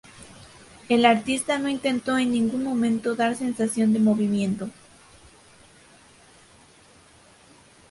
El artista no intentó en ningún momento dar sensación de movimiento.